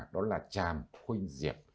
đó là tràm khuynh diệt